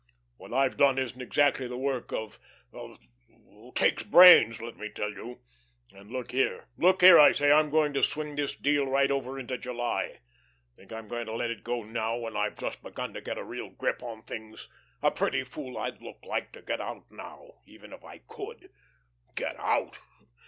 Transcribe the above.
What I've done isn't exactly the work of of takes brains, let me tell you. And look here, look here, I say, I'm going to swing this deal right over into July. Think I'm going to let go now, when I've just begun to get a real grip on things? A pretty fool I'd look like to get out now even if I could. Get out?